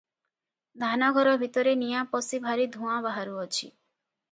ଧାନ ଘର ଭିତରେ ନିଆଁ ପଶି ଭାରି ଧୂଆଁ ବାହାରୁଅଛି ।